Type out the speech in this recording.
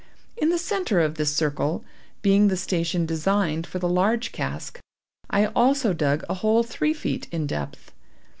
In the centre of this circle, being the station designed for the large cask, I also dug a hole three feet in depth.